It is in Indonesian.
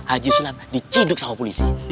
haji sulap dicuduk sama polisi